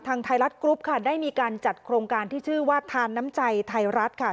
ไทยรัฐกรุ๊ปค่ะได้มีการจัดโครงการที่ชื่อว่าทานน้ำใจไทยรัฐค่ะ